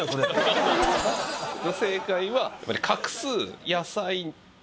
正解は。